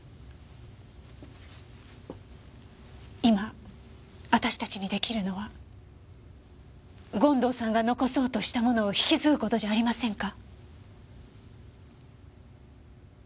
今私たちに出来るのは権藤さんが残そうとしたものを引き継ぐ事じゃありませんか？